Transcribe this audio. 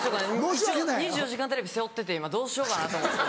一応『２４時間テレビ』背負ってて今どうしようかなと思って。